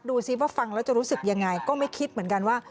ซิว่าฟังแล้วจะรู้สึกยังไงก็ไม่คิดเหมือนกันว่า